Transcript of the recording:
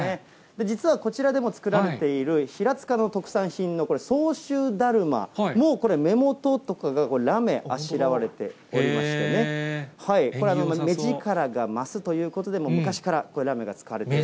実はこちらでも作られている平塚の特産品の相州だるま、もうこれ、目元とかがラメあしらわれておりましてね、目力が増すということで、昔からこういうラメが使われている。